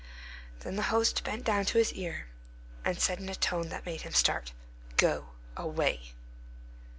Then the host bent down to his ear, and said in a tone which made him start, "Go away!"